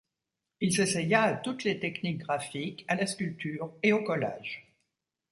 Il s'essaya à toutes les techniques graphiques à la sculpture et au collage.